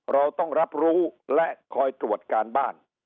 เราต้องรับรู้และคอยตรวจการบ้าน